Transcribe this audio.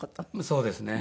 そうですね。